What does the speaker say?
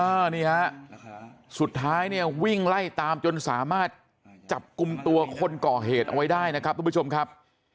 นี่ฮะสุดท้ายเนี่ยวิ่งไล่ตามจนสามารถจับกลุ่มตัวคนก่อเหตุเอาไว้ได้นะครับทุกผู้ชมครับ